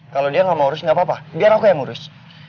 kalau dia gak mau urus gak apa apa biar aku yang urus